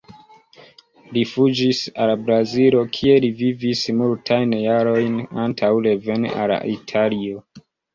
Li fuĝis al Brazilo kie li vivis multajn jarojn antaŭ reveni al Italio.